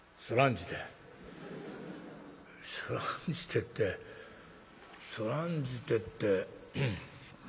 「そらんじてってそらんじてって」。